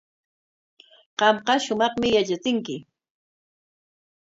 Qamqa shumaqmi yatrachinki.